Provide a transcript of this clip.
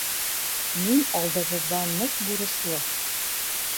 Мин алдығыҙҙа ныҡ бурыслы.